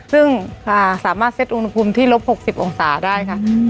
ซึ่งสามารถเซ็ตอุณหภูมิที่ลบ๖๐องศาได้ค่ะ